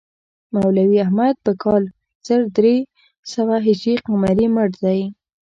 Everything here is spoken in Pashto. مولوي احمد په کال زر درې سوه هجري قمري مړ دی.